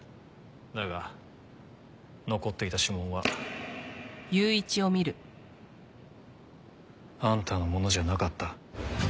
だが残っていた指紋は。あんたのものじゃなかった。